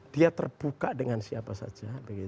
dia terbuka dengan siapa saja